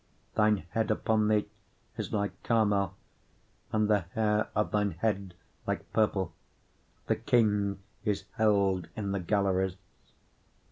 7:5 Thine head upon thee is like Carmel, and the hair of thine head like purple; the king is held in the galleries.